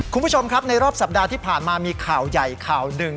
คุณผู้ชมครับในรอบสัปดาห์ที่ผ่านมามีข่าวใหญ่ข่าวหนึ่ง